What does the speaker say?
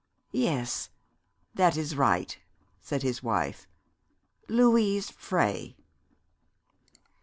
"Yes, that is right," said his wife, "Louise Frey."